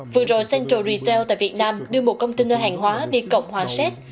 vừa rồi central retail tại việt nam đưa một công ty nơi hàng hóa đi cộng hòa xét